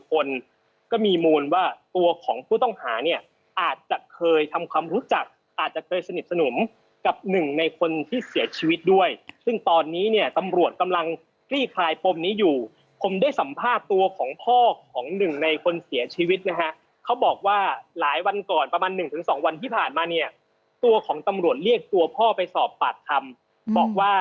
คนก็มีมูลว่าตัวของผู้ต้องหาเนี่ยอาจจะเคยทำความรู้จักอาจจะเคยสนิทสนมกับหนึ่งในคนที่เสียชีวิตด้วยซึ่งตอนนี้เนี่ยตำรวจกำลังคลี่คลายปมนี้อยู่ผมได้สัมภาษณ์ตัวของพ่อของหนึ่งในคนเสียชีวิตนะฮะเขาบอกว่าหลายวันก่อนประมาณหนึ่งถึงสองวันที่ผ่านมาเนี่ยตัวของตำรวจเรียกตัวพ่อไปสอบปากคำบอกว่า